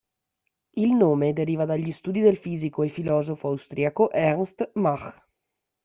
Il nome deriva dagli studi del fisico e filosofo austriaco Ernst Mach.